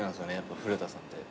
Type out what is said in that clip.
古田さんって。